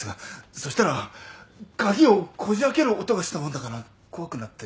そうしたら鍵をこじ開ける音がしたもんだから怖くなって。